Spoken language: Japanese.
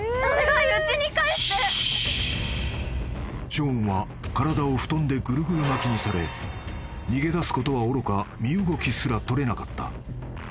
［ショーンは体を布団でぐるぐる巻きにされ逃げ出すことはおろか身動きすら取れなった］